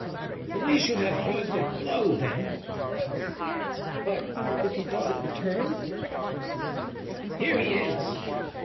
"We should have heard the blow, then." "But if he doesn't return?" "Here he is."